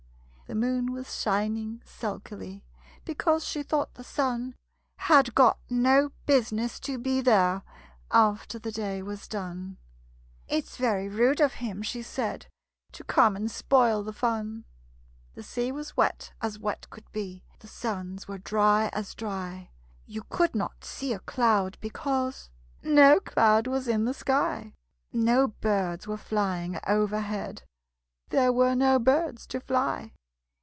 The moon was shining sulkily, Because she thought the sun Had got no business to be there After the day was done. "It's very rude of him," she said, "To come and spoil the fun." The sea was wet as wet could be, The sands were dry as dry. You could not see a cloud, because No cloud was in the sky: No birds were flying over head There were no birds to fly.